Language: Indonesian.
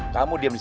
kamu diam di sini